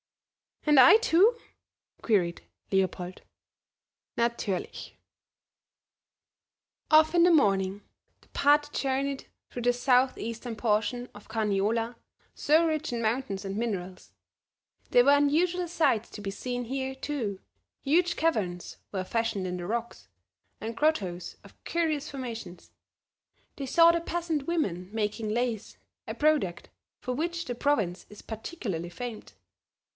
"And I, too?" queried Leopold. "Naturlich." Off in the morning, the party journeyed through the southeastern portion of Carniola, so rich in mountains and minerals. There were unusual sights to be seen here, too; huge caverns were fashioned in the rocks, and grottoes of curious formations. They saw the peasant women making lace, a product for which the province is particularly famed.